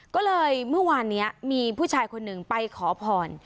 ก็เลยเมื่อวานนี้มีผู้ชายคนหนึ่งไปขอพร